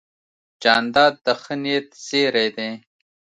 جانداد د ښه نیت زېرى دی.